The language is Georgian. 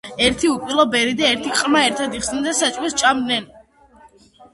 ერთი უკბილო ბერი და ერთი ყრმა ერთად ისხდენ და საჭმელს სჭამდნენ.